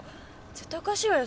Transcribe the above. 絶対おかしいわよ。